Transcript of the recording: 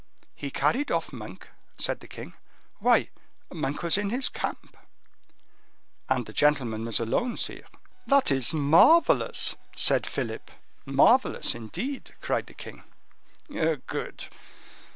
"He carried off Monk?" said the king. "Why, Monk was in his camp." "And the gentleman was alone, sire." "That is marvelous!" said Philip. "Marvelous, indeed!" cried the king. "Good!